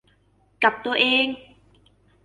กับตัวเอง